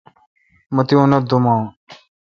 مہ تی انت دوم اں